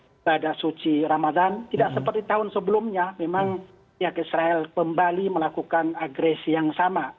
ibadah suci ramadan tidak seperti tahun sebelumnya memang pihak israel kembali melakukan agresi yang sama